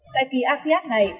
tại kỳ acs này